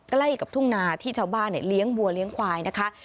ใกล้กับทุ่งนาที่ชาวบ้านเลี้ยงวัวเลี้ยงควายนะคะ